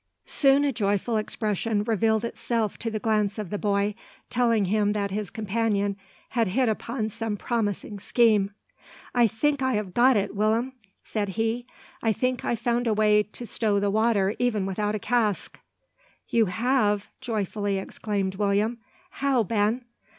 Soon a joyful expression revealed itself to the glance of the boy, telling him that his companion had hit upon some promising scheme. "I think I ha' got it, Will'm," said he; "I think I've found a way to stow the water even without a cask." "You have!" joyfully exclaimed William. "How, Ben?"